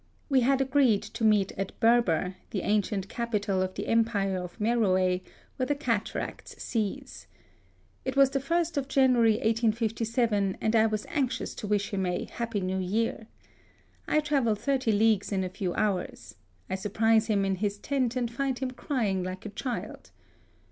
We had agreed to meet at Berber, the ancient capital of the empire of Meroe, where the cataracts cease. It was the 1st of January 1857, and I was anxious to wish 38 HISTORY OF him a " happy new year." I travel thirty leagues in a few houra I surprise him in his tent and find him crying like a child.